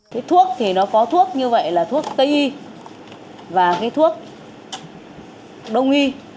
cái thuốc thì nó có thuốc như vậy là thuốc tây y và cái thuốc đông y